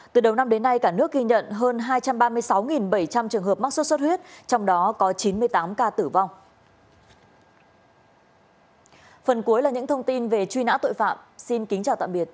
từ đầu năm đến nay cả nước ghi nhận hơn hai trăm ba mươi sáu bảy trăm linh trường hợp mắc sốt xuất huyết trong đó có chín mươi tám ca tử vong